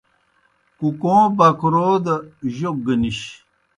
کُکُوں بکرو دہ جوک گہ نِش۔